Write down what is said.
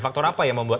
faktor apa yang membuat